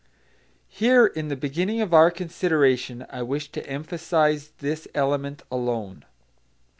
Here in the beginning of our consideration I wish to emphasise this element alone.